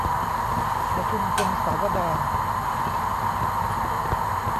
ประชุมพงศาวดาร